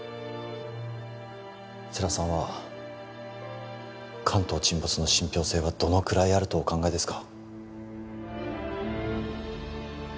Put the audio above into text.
世良さんは関東沈没の信ぴょう性はどのくらいあるとお考えですか？